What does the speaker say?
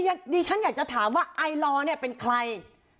ดิฉันอยากจะถามว่าไอลอร์เนี่ยเป็นใคร